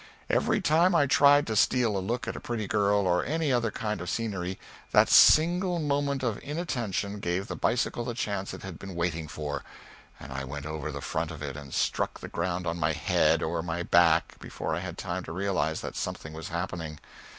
Every time I tried to steal a look at a pretty girl, or any other kind of scenery, that single moment of inattention gave the bicycle the chance it had been waiting for, and I went over the front of it and struck the ground on my head or my back before I had time to realise that something was happening.